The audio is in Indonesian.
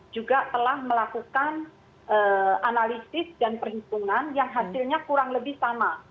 juga telah melakukan analisis dan perhitungan yang hasilnya kurang lebih sama